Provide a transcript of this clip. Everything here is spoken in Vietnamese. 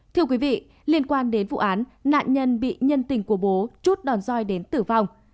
thưa quý vị liên quan đến vụ án nạn nhân bị nhân tình của bố chút đòn roi đến tử vong